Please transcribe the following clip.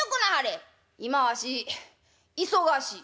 「今わし忙しい」。